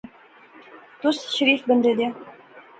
تس شریف بندے دیا